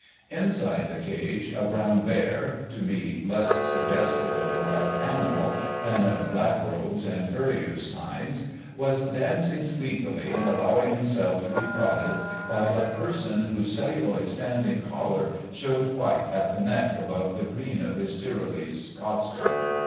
Inside the cage a brown bear—to me less suggestive of a wild animal than of lap robes and furriers' signs—was dancing sleepily and allowing himself to be prodded by a person whose celluloid standing collar showed white at the neck above the green of his Tyrolese costume.